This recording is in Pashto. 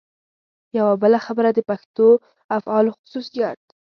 یوه بله خبره د پښتو افعالو خصوصیت.